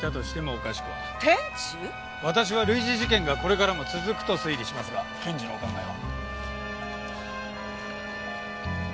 私は類似事件がこれからも続くと推理しますが検事のお考えは？